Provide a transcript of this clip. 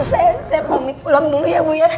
bu saya mau pulang dulu ya bu